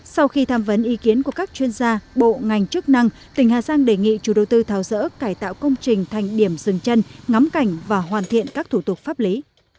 sau khi tham vấn ý kiến của các chuyên gia bộ ngành chức năng tỉnh hà giang đề nghị chủ đầu tư tháo rỡ cải tạo công trình thành điểm dừng chân ngắm cảnh và hoàn thiện các thủ tục pháp lý